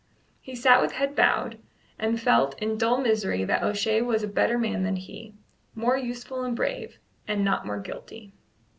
He sat with head bowed, and felt in dull misery that O'Shea was a better man than he more useful and brave, and not more guilty.